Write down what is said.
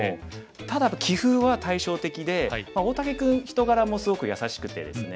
ただ棋風は対照的で大竹君人柄もすごく優しくてですね。